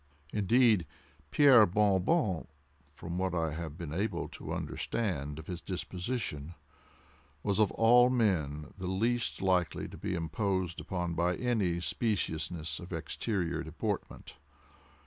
Indeed, Pierre Bon Bon, from what I have been able to understand of his disposition, was of all men the least likely to be imposed upon by any speciousness of exterior deportment.